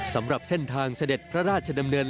สำหรับเส้นทางเสด็จพระราชดำเนิน